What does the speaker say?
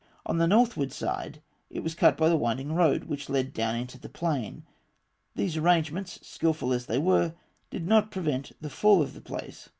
On the northward side it was cut by the winding road, which led down into the plain. These arrangements, skilful as they were, did not prevent the fall of the place.